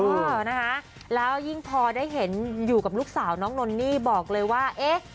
เออนะคะแล้วยิ่งพอได้เห็นอยู่กับลูกสาวน้องนนนี่บอกเลยว่าเอ๊ะ